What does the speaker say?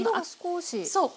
そう。